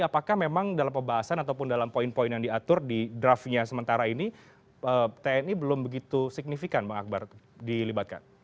apakah memang dalam pembahasan ataupun dalam poin poin yang diatur di draftnya sementara ini tni belum begitu signifikan bang akbar dilibatkan